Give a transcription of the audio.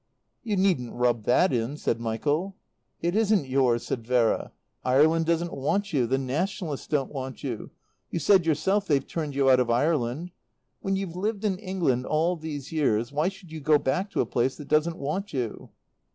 "You needn't rub that in," said Michael. "It isn't yours," said Vera. "Ireland doesn't want you. The Nationalists don't want you. You said yourself they've turned you out of Ireland. When you've lived in England all these years why should you go back to a place that doesn't want you?"